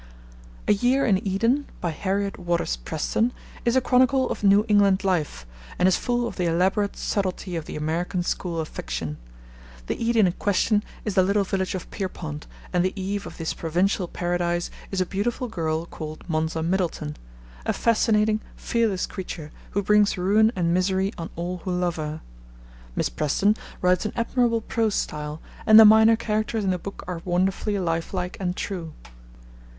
A Year in Eden, by Harriet Waters Preston, is a chronicle of New England life, and is full of the elaborate subtlety of the American school of fiction. The Eden in question is the little village of Pierpont, and the Eve of this provincial paradise is a beautiful girl called Monza Middleton, a fascinating, fearless creature, who brings ruin and misery on all who love her. Miss Preston writes an admirable prose style, and the minor characters in the book are wonderfully lifelike and true.